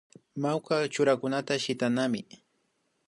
Mawka churanakunataka shitanami